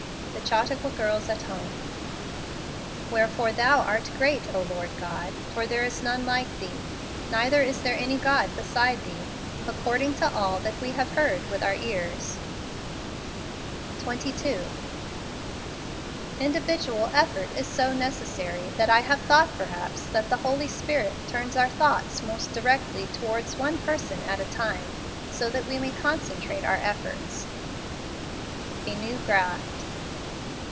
The Chautauqua Girls at Home. " Wherefore Thou art great, 0, Lord God: for there is none like Thee, neither is there any God beside Thee, according to all that ice have heard with oar ears." 22 Individual effort is so necessary that I have thought perhaps the Holy Spirit turns our thoughts most directly toward one person at a time, so that we may concentrate our efforts. A New Graft.